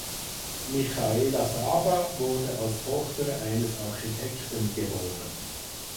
Michaela Saba wurde als Tochter eines Architekten geboren.